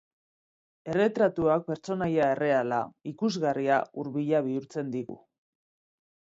Erretratuak pertsonaia erreala, ikusgarria, hurbila bihurtzen digu.